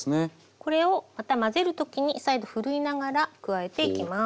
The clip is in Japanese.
これをまた混ぜる時に再度ふるいながら加えていきます。